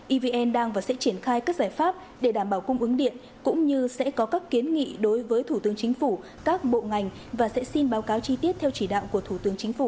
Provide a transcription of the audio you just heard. evn đang và sẽ triển khai các giải pháp để đảm bảo cung ứng điện cũng như sẽ có các kiến nghị đối với thủ tướng chính phủ các bộ ngành và sẽ xin báo cáo chi tiết theo chỉ đạo của thủ tướng chính phủ